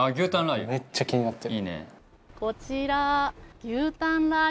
めっちゃ気になってる。